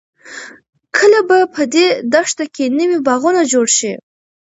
کله به په دې دښته کې نوې باغونه جوړ شي؟